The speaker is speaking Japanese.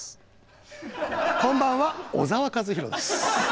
こんばんは小沢一敬です。